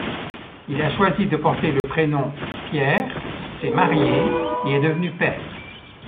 Il a choisi de porter le prénom Pierre, s'est marié et est devenu père.